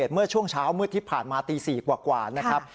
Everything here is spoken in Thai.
เมื่อช่วงเช้ามืดที่ผ่านมาตี๔กว่านะครับ